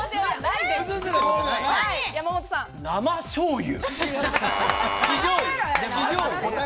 生しょうゆ？